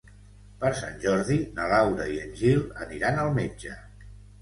Per Sant Jordi na Laura i en Gil aniran al metge.